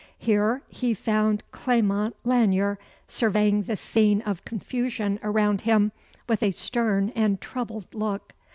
Here he found Clement Lanyere surveying the scene of confusion around him with a stern and troubled look.